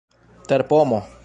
terpomo